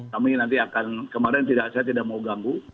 kami nanti akan kemarin saya tidak mau ganggu